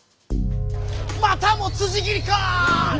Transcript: またも辻斬りか！